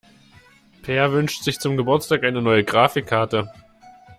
Peer wünscht sich zum Geburtstag eine neue Grafikkarte.